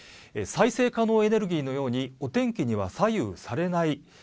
再生可能エネルギーのようにお天気には左右されない。